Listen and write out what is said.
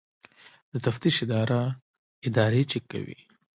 د تفتیش اداره ادارې چک کوي